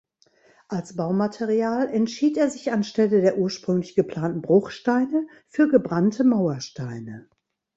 Als Baumaterial entschied er sich anstelle der ursprünglich geplanten Bruchsteine für gebrannte Mauersteine.